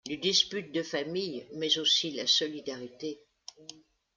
Les disputes de famille mais aussi la solidarité.